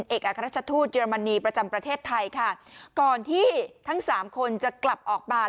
เอกอัครราชทูตเยอรมนีประจำประเทศไทยค่ะก่อนที่ทั้งสามคนจะกลับออกมา